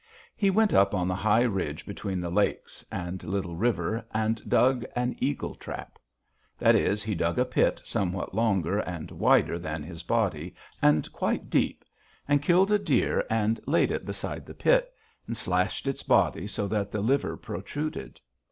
He went up on the high ridge between the lakes and Little River and dug an eagle trap. That is, he dug a pit somewhat longer and wider than his body, and quite deep, and killed a deer and laid it beside the pit, and slashed its body so that the liver protruded.